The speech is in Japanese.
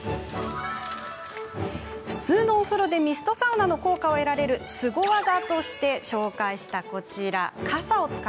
普通のお風呂でミストサウナの効果を得られるスゴ技としてご紹介したのがこちら、傘。